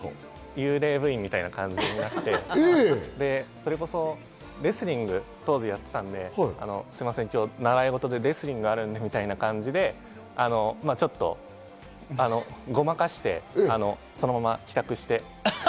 幽霊部員みたいな感じになってそれこそレスリングを当時やっていたので、今日、習い事でレスリングがあるのでというみたいにごまかして、そのまま帰宅して。